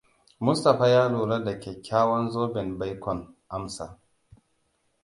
Mustapha ya lura da kyakkyawan zoben baikon Amsa.